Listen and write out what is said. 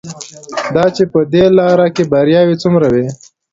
دا چې په دې لاره کې بریاوې څومره وې.